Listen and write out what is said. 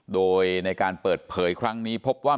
โดยในการเปิดเผยครั้งนี้พบว่า